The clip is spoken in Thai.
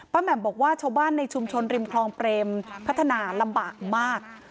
แหม่มบอกว่าชาวบ้านในชุมชนริมคลองเปรมพัฒนาลำบากมาก